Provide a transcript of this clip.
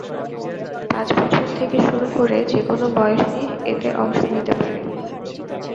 পাঁচ বছর থেকে শুরু করে যেকোনো বয়সীই এতে অংশ নিতে পারে।